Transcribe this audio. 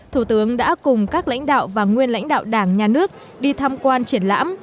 thủ tướng đã cùng các lãnh đạo và nguyên lãnh đạo đảng nhà nước đi tham quan triển lãm